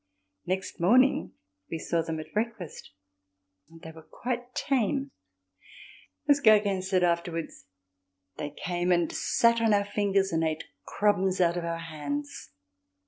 Next morning we saw them at breakfast and they were quite tame. As Gogin said afterwards: "They came and sat on our fingers and ate crumbs out of our hands."